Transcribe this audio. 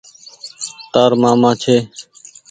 تآر مآمآ ڇي۔